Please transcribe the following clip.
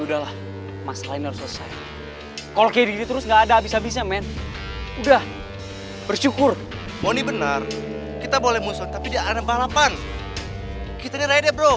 alah mereka yang mulai luar